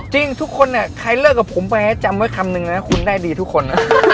จริงทุกคนใครเลิกกับผมไปจำไว้คำนึงนะคุณได้ดีทุกคนนะ